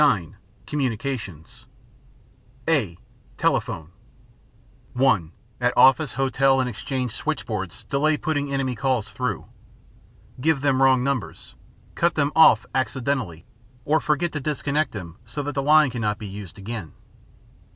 (9) Communications (a) Telephone (1) At office, hotel and exchange switch boards delay putting enemy calls through, give them wrong numbers, cut them off "accidentally," or forget to disconnect them so that the line cannot be used again.